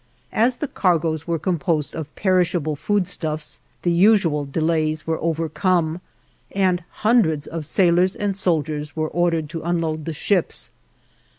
As the cargoes were composed of perishable foodstuffs the usual delays were overcome, and hundreds of sailors and soldiers were ordered to unload the ships.